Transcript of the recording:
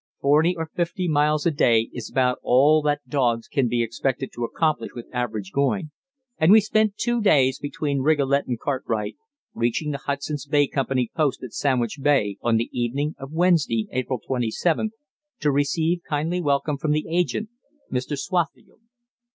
Forty or fifty miles a day is about all that dogs can be expected to accomplish with average going, and we spent two days between Rigolet and Cartwright, reaching the Hudson's Bay Company Post at Sandwich Bay on the evening of Wednesday, April 27th, to receive kindly welcome from the agent, Mr. Swaffield.